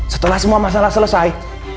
setelah semua masalah selesai